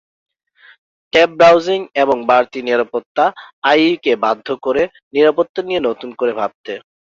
Tab browsing এবং বাড়তি নিরাপত্তা আই-ই কে বাধ্য করে নিরাপত্তা নিয়ে নতুন করে ভাবতে।